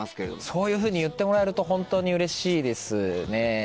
そういうふうに言ってもらえると本当にうれしいですね。